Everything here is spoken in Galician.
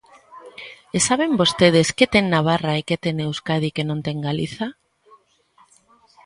¿E saben vostedes que ten Navarra e que ten Euskadi que non ten Galiza?